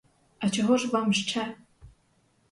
А чого ж вам ще?